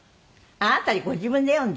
あなたにご自分で読んで。